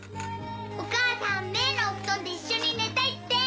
お母さんメイのお布団で一緒に寝たいって。